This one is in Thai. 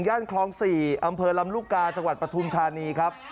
ย่านคลองสี่อำเภอลำรุ๊กกาจังหวัดปทุนธานีครับ